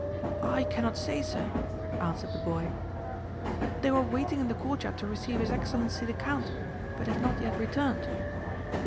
"I cannot say, sire," answered the boy. "They were waiting in the courtyard to receive His Excellency the Count, but have not yet returned."